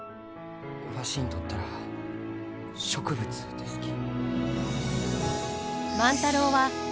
わしにとったら植物ですき。